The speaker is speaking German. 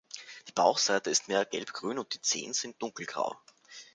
Die Bauchseite ist mehr gelbgrün und die Zehen sind dunkelgrau.